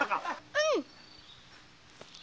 うん。